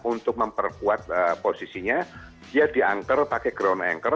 untuk memperkuat posisinya dia diangker pakai ground anchor